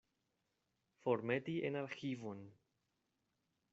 Formeti en arĥivon.